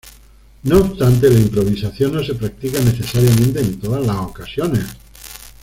No obstante, la improvisación no se practica necesariamente en todas las ocasiones.